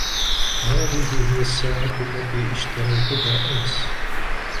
هذه هي الساعة التي اشتريتها امس.